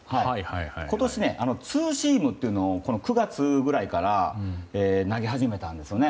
今年、ツーシームというのを９月ぐらいから投げ始めたんですよ。